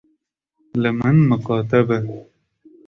Li min miqate be.